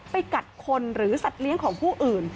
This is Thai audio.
กัดคนหรือสัตว์เลี้ยงของผู้อื่น